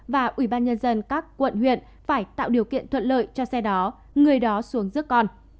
và ubnd các quận huyện phải tạo điều kiện thuận lợi cho xe đó người đó xuống rước con